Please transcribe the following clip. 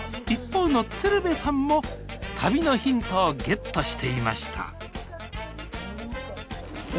一方の鶴瓶さんも旅のヒントをゲットしていました